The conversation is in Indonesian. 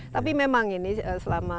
tapi memang ini selama